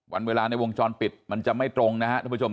วันเวลาในวงจรปิดมันจะไม่ตรงนะครับทุกผู้ชม